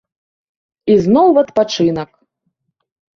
І зноў у адпачынак!